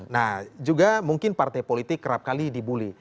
nah juga mungkin partai politik kerap kali dibully